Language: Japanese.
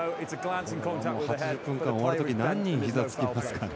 ８０分間終わるときに何人ひざつきますかね。